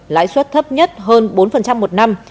lãi suất thấp nhất hơn bốn một năm